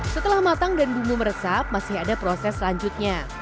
setelah matang dan bumbu meresap masih ada proses selanjutnya